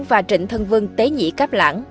và trịnh thân vương tế nhĩ cáp lãng